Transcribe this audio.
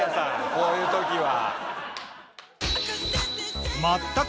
こういう時は。